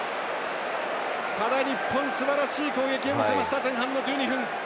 ただ、日本すばらしい攻撃を見せました前半の１２分。